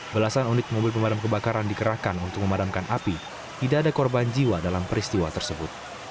belasan unit mobil pemadam kebakaran dikerahkan untuk memadamkan api tidak ada korban jiwa dalam peristiwa tersebut